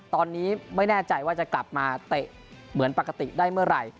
ตอนนี้ไม่แน่ใจว่าจะกลับมาเตะเหมือนปกติได้เมื่อไหร่